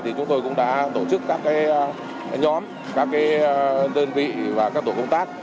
thì chúng tôi cũng đã tổ chức các cái nhóm các cái đơn vị và các tổ công tác